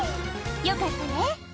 よかったね。